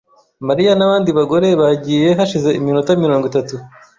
Mariya nabandi bagore bagiye hashize iminota mirongo itatu .